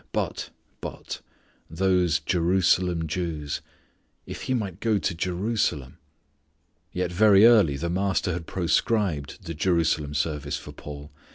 But, but those Jerusalem Jews! If he might go to Jerusalem! Yet very early the Master had proscribed the Jerusalem service for Paul.